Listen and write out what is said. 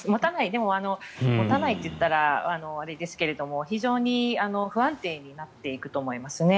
でも持たないと言ったらあれですが非常に不安定になっていくと思いますね。